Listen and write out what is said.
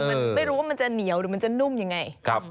มันไม่รู้ว่ามันจะเหนียวหรือมันจะนุ่มยังไง